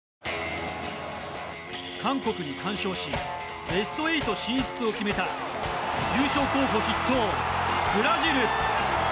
韓国に完勝しベスト８進出を決めた優勝候補筆頭、ブラジル。